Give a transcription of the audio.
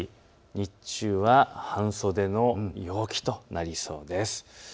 日中は半袖の陽気となりそうです。